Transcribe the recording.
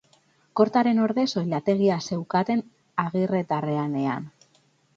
Kortaren ordez oilategia zeukaten Agirretarrenean.